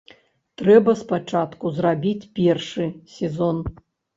Трэба спачатку зрабіць першы сезон.